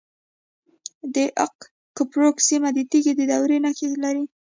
د اق کپروک سیمه د تیږې د دورې نښې لري